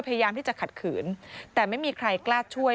พยายามที่จะขัดขืนแต่ไม่มีใครกล้าช่วย